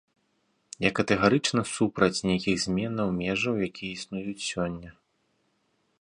Я катэгарычна супраць нейкіх зменаў межаў, якія існуюць сёння.